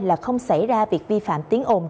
là không xảy ra việc vi phạm